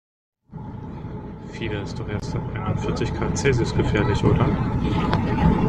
Fieber ist doch erst ab einundvierzig Grad Celsius gefährlich, oder?